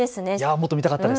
もっと見たかったです。